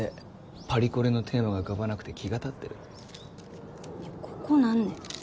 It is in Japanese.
パリコレのテーマが浮かばなくて気が立ってるここ何ね？